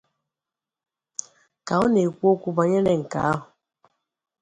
Ka ọ na-ekwu okwu bànyere nke ahụ